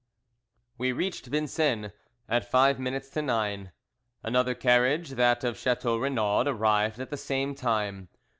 WE reached Vincennes at five minutes to nine. Another carriage, that of Chateau Renaud, arrived at the same time.